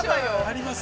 ◆あります？